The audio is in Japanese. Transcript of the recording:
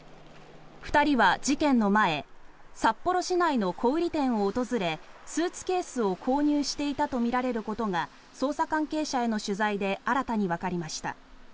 ２人は事件の前札幌市内の小売店を訪れスーツケースを購入していたとみられることが捜査関係者への取材で新たにわかりました。